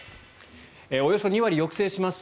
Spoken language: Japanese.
およそ２割抑制します。